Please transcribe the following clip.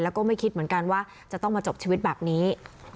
แล้วก็ไม่คิดเหมือนกันว่าจะต้องมาจบชีวิตแบบนี้